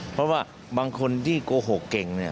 เพราะว่าบางคนที่โกหกเก่ง